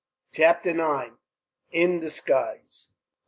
Chapter 9: In Disguise.